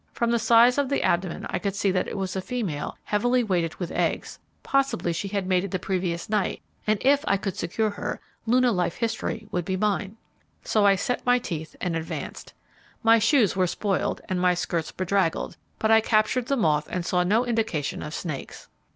From the size of the abdomen I could see that it was a female heavily weighted with eggs. Possibly she had mated the previous night, and if I could secure her, Luna life history would be mine. So I set my teeth and advanced. My shoes were spoiled, and my skirts bedraggled, but I captured the moth and saw no indication of snakes.